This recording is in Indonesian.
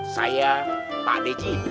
saya pak deji